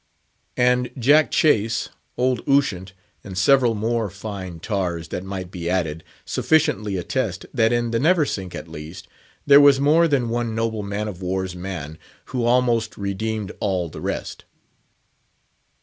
And Jack Chase, old Ushant, and several more fine tars that might be added, sufficiently attest, that in the Neversink at least, there was more than one noble man of war's man who almost redeemed all the rest.